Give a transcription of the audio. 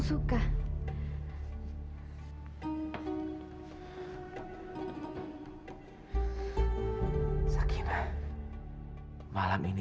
sudah bagus ini